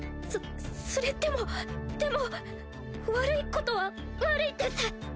そそれでもでも悪いことは悪いです。